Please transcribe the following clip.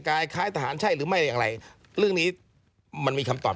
คล้ายทหารใช่หรือไม่อย่างไรเรื่องนี้มันมีคำตอบ